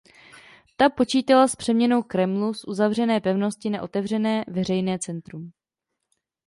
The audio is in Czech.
Ta počítala s přeměnou kremlu z uzavřené pevnosti na otevřené veřejné centrum.